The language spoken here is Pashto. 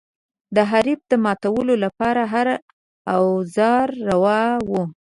د حریف د ماتولو لپاره هر اوزار روا و.